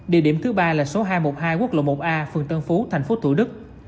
địa điểm thứ ba là số hai trăm một mươi hai quốc lộ một a phường tân phú thành phố thủ đức